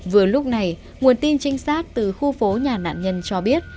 vừa lúc này nguồn tin trinh sát từ khu phố nhà nạn nhân cho biết